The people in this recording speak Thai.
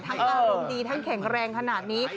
อารมณ์ดีทั้งแข็งแรงขนาดนี้